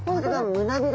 胸びれ。